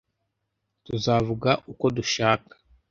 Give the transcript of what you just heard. tuzavuga uko dushaka